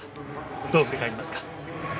どう振り返りますか？